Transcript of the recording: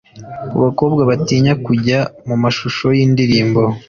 Ku bakobwa batinya kujya mu mashusho y’indirimbo